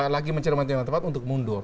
lagi mencermati dengan tempat untuk mundur